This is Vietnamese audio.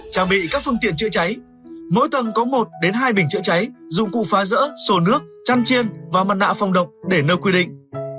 trang bị các phương tiện chữa cháy mỗi tầng có một hai bình chữa cháy dụng cụ phá rỡ sổ nước chăn chiên và mặt nạ phòng độc để nơi quy định